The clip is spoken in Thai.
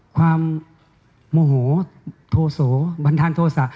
ความโมโหโธโสบันดาลโธสะ